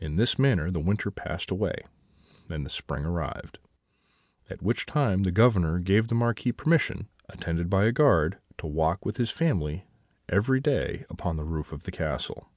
"In this manner the winter passed away, and the spring arrived, at which time the Governor gave the Marquis permission, attended by a guard, to walk with his family every day upon the roof of the castle.